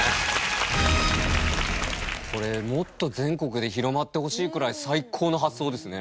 これもっと全国で広まってほしいくらい最高の発想ですね。